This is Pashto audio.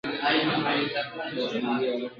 سلماني ویل خبره دي منمه !.